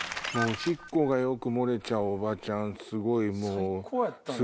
おしっこがよく漏れちゃうおばちゃん。